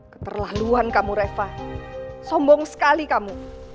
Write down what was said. keterlaluan kamu reva sombong sekali kamu